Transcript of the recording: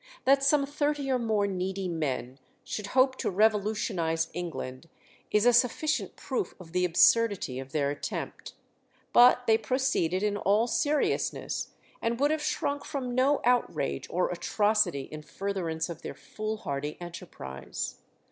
That some thirty or more needy men should hope to revolutionize England is a sufficient proof of the absurdity of their attempt. But they proceeded in all seriousness, and would have shrunk from no outrage or atrocity in furtherance of their foolhardy enterprise.